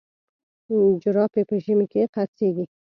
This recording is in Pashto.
جراپي په ژمي کي خرڅیږي.